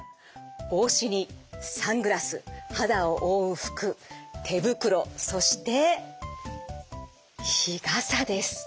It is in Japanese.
帽子にサングラス肌を覆う服手袋そして日傘です。